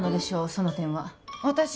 その点は私